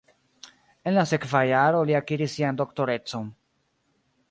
En la sekva jaro li akiris sian doktorecon.